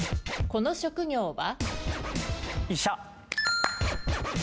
この職業は？